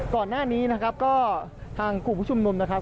ก่อนหน้านี้นะครับก็ทางกลุ่มผู้ชุมนุมนะครับ